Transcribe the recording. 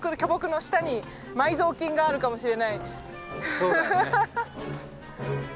そうだね。